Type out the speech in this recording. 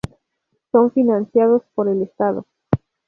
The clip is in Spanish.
Son financiados por el Estado.